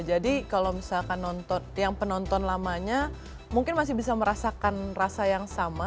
jadi kalau misalkan nonton yang penonton lamanya mungkin masih bisa merasakan rasa yang sama